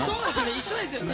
一緒ですよ。